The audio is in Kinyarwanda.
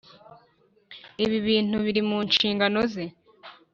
Ibi bintu bir mu nshingano ze